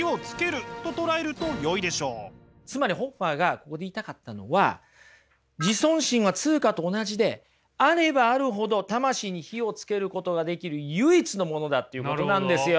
つまりホッファーがここで言いたかったのは自尊心は通貨と同じであればあるほど魂に火をつけることができる唯一のものだっていうことなんですよ。